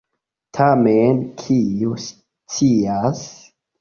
Tamen, kiu scias?...